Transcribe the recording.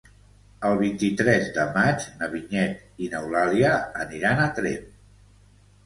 El vint-i-tres de maig na Vinyet i n'Eulàlia aniran a Tremp.